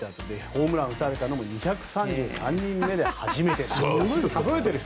ホームランを打たれたのも２３３人目で初めてという。